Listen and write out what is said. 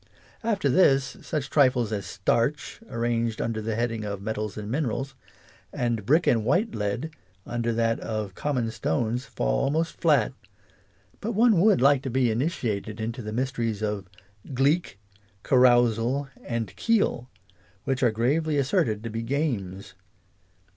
After this such trifles as "starch" arranged under the heading of " Metals and Minerals," and " brick " and " whitelead " under that of " Com mon Stones " fall almost flat ; but one would like to be initiated into the mysteries of " gleek," " carousal," and " keel," which are gravely as serted to be "Games."